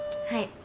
はい。